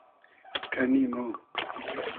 کئنی مۉ